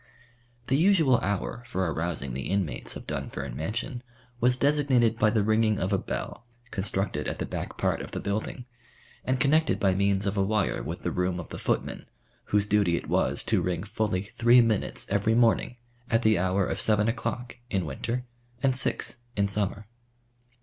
The usual hour for arousing the inmates of Dunfern Mansion was designated by the ringing of a bell, constructed at the back part of the building, and connected by means of a wire with the room of the footman, whose duty it was to ring fully three minutes every morning at the hour of seven o'clock in winter and six in summer.